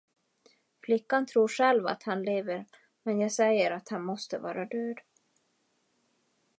Flickan tror själv att han lever men jag säger att han måste vara död.